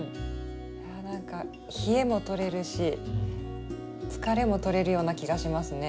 なんか冷えもとれるし疲れもとれるような気がしますね。